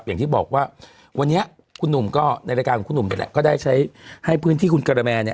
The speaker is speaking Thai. อย่างที่บอกว่าวันนี้คุณหนุ่มก็ในรายการของคุณหนุ่มนี่แหละก็ได้ใช้ให้พื้นที่คุณกระแมนเนี่ย